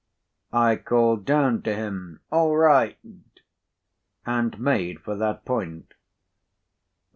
I called down to him, "All right!" and made for that point.